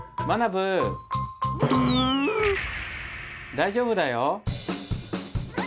大丈夫だよ！